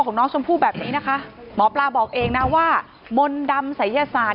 ของน้องชมพู่แบบนี้นะคะหมอปลาบอกเองนะว่ามนต์ดำศัยยศาสต